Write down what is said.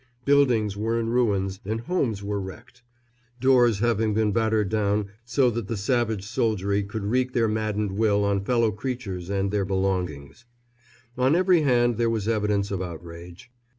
Buildings were in ruins and homes were wrecked, doors having been battered down so that the savage soldiery could wreak their maddened will on fellow creatures and their belongings. On every hand there was evidence of outrage.